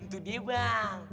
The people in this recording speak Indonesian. tuh dia bang